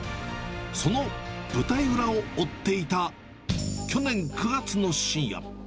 その舞台裏を追っていた去年９月の深夜。